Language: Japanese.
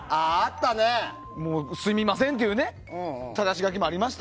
すみませんっていうただし書きもありました。